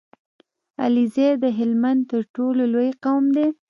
عليزی د هلمند تر ټولو لوی قوم دی